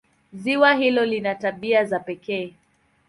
Ziwa hilo lina tabia za pekee.